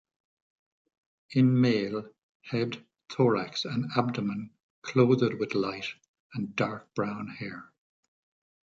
In male, head, thorax and abdomen clothed with light and dark brown hair.